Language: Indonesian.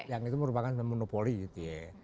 yang itu merupakan monopoli gitu ya